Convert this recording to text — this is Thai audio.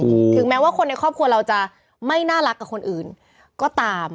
ถึงแม้ว่าคนในครอบครัวเราจะไม่น่ารักกับคนอื่นก็ตาม